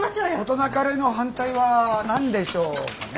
事なかれの反対は何でしょうかね。